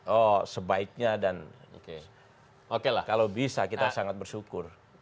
oh sebaiknya dan kalau bisa kita sangat bersyukur